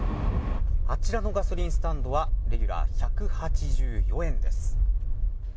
あちらのガソリンスタンドはレギュラー１８４円です。